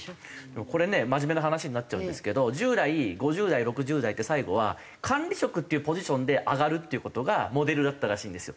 これね真面目な話になっちゃうんですけど従来５０代６０代って最後は管理職っていうポジションで上がるっていう事がモデルだったらしいんですよ。